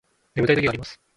眠たい時があります